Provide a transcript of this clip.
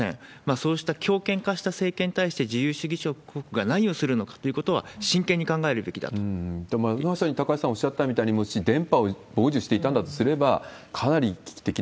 そうした強権化した政権に対して自由主義国が何をするのかというまさに高橋さんおっしゃったみたいに、もし電波を傍受していたんだとすれば、かなり危機的な